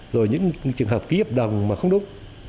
rồi những trường hợp ký hợp đồng mà không đúng